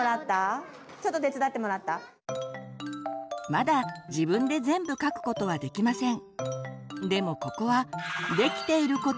まだ自分で全部書くことはできません。